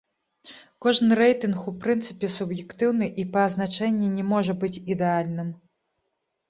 Кожны рэйтынг у прынцыпе суб'ектыўны і па азначэнні не можа быць ідэальным.